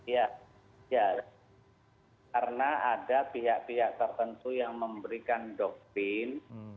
ya karena ada pihak pihak tertentu yang memberikan doktrin